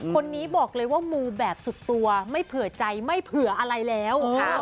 คนนี้บอกเลยว่ามูแบบสุดตัวไม่เผื่อใจไม่เผื่ออะไรแล้ว